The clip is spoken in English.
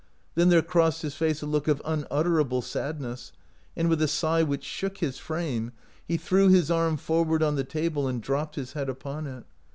Then there crossed his face a look of unut terable sadness, and with a sigh which shook his frame he threw his arm forward on the table and dropped his head upon it.